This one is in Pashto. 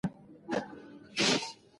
د کابل سیند د افغان تاریخ په کتابونو کې شته.